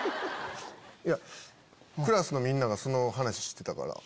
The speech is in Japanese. クラスのみんながその話してたから。